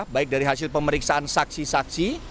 baik dari hasil pemeriksaan saksi saksi